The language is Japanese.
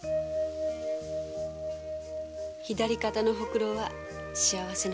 「左肩のホクロは幸せのしるし」。